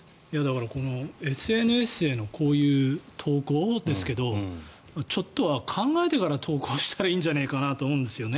ＳＮＳへのこういう投稿ですけどちょっとは考えてから投稿したらいいんじゃないかなと思うんです。